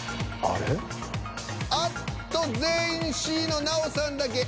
あっと全員Ｃの奈緒さんだけＡ。